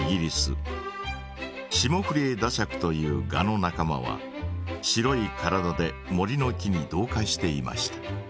シモフリエダシャクというガの仲間は白い体で森の木に同化していました。